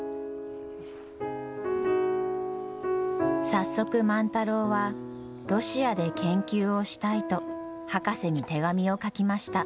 早速万太郎はロシアで研究をしたいと博士に手紙を書きました。